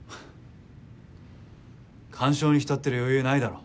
感傷に浸ってる余裕ないだろ。